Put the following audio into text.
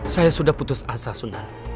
saya sudah putus asa sunnah